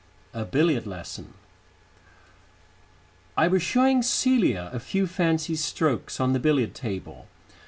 A BILLIARD LESSON I was showing Celia a few fancy strokes on the billiard table.